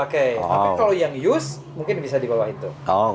kalau yang use mungkin bisa dibawa itu